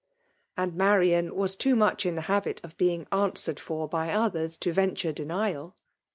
And Marian was too much in the habit of being answered for by others, to ven ture denial.